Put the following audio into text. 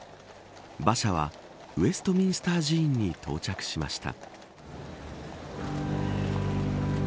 馬車はウェストミンスター寺院に到着しました。